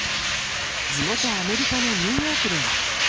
地元アメリカのニューヨークでは。